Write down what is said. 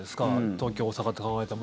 東京大阪って考えたら。